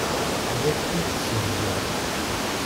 Ad ak-t-id-tessegzu.